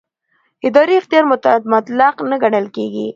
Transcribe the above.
اداري اختیار مطلق نه ګڼل کېږي.